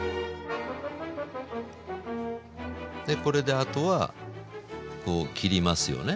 これであとはこう切りますよね。